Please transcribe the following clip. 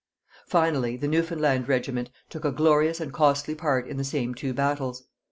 Finally, the Newfoundland Regiment took a glorious and costly part in the same two battles.